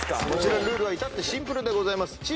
こちらのルールは至ってシンプルでございます。